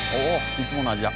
いつもの味だ。